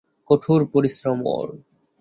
কঠোর পরিশ্রম ওর!